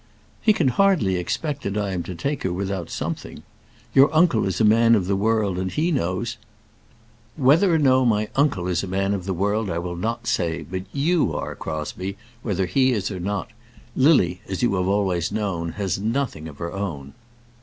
"He can hardly expect that I am to take her without something. Your uncle is a man of the world and he knows " "Whether or no my uncle is a man of the world, I will not say; but you are, Crosbie, whether he is or not. Lily, as you have always known, has nothing of her own."